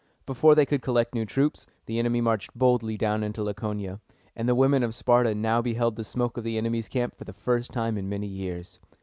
Before they could collect new troops, the enemy marched boldly down into Laconia; and the women of Sparta now beheld the smoke of the enemy's camp for the first time in many years.